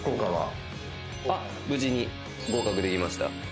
無事に合格できました。